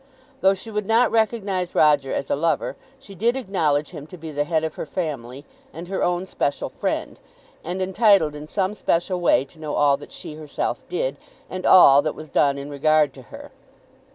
Though she would not recognise Roger as a lover, she did acknowledge him to be the head of her family, and her own special friend, and entitled in some special way to know all that she herself did, and all that was done in regard to her.